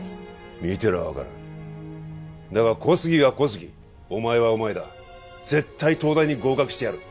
見てりゃ分かるだが小杉は小杉お前はお前だ「絶対東大に合格してやる」